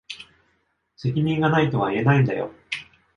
責任が無いとは言えないんだよ。